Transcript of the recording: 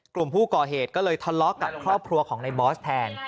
กลุ่มผู้ก่อเหตุก็เลยทะเลาะกับครอบครัวของในบอสแทน